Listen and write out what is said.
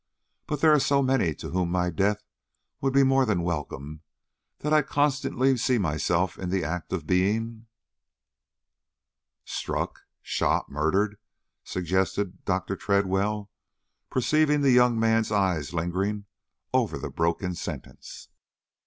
But there are so many to whom my death would be more than welcome, that I constantly see myself in the act of being " "Struck, shot, murdered," suggested Dr. Tredwell, perceiving the young man's eye lingering over the broken sentence.